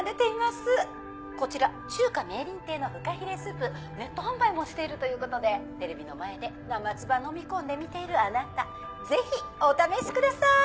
こちら中華美麗亭のふかひれスープネット販売もしているということでテレビの前で生唾のみ込んで見ているあなたぜひお試しください。